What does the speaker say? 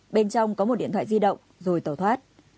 bên trong có một điện thoại di động rồi tàu thoát